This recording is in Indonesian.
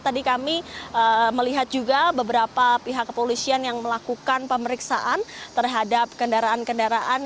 tadi kami melihat juga beberapa pihak kepolisian yang melakukan pemeriksaan terhadap kendaraan kendaraan